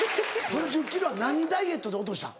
その１０ｋｇは何ダイエットで落としたん？